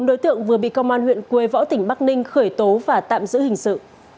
bốn đối tượng vừa bị công an huyện quế võ tỉnh bắc ninh khởi tố và tạm giữ hình sự